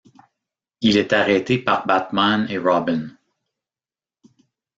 Il est arrêté par Batman et Robin.